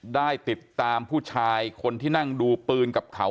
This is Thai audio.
ได้ติดตามผู้ชายคนที่นั่งดูปืนกับเขา